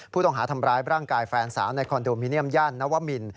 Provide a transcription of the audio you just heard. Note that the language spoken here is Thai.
ผู้ต้องหาทำร้ายร่างกายแฟนสาวในคอนโดมิเนียมย่านนวมิน